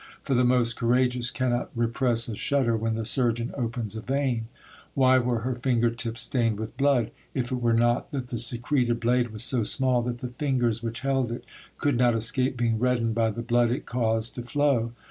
for the most courageous cannot repress a shudder when the surgeon opens a vein. Why were her finger tips stained with blood, if it were not that the secreted blade was so small that the fingers which held it could not escape being reddened by the blood it caused to flow?